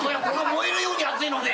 燃えるように熱いので。